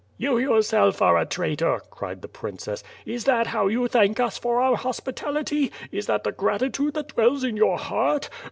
"You yourself are a traitor," cried the princess, "is that how you thank us for our hospitality, is that the gratitude that dwells in your heart.